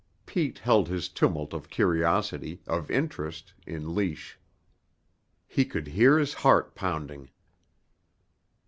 Pete held his tumult of curiosity, of interest, in leash. He could hear his heart pounding.